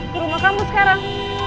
ke rumah kamu sekarang